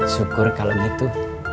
syukur kalau gitu